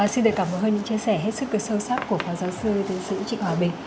xin cảm ơn anh đã chia sẻ hết sức sâu sắc của phó giáo sư thế sĩ trịnh hòa bình